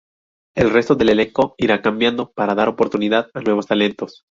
El resto del elenco irá cambiando para dar oportunidad a nuevos talentos.